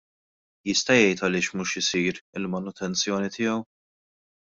Jista' jgħid għaliex mhux isir il-manutenzjoni tiegħu?